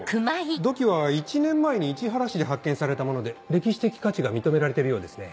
土器は１年前に市原市で発見されたもので歴史的価値が認められてるようですね。